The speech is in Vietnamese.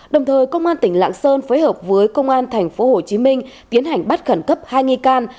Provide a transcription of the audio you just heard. đồng thời công an tỉnh lạng sơn phối hợp với công an tp hcm tiến hành bắt khẩn cấp hai nghi can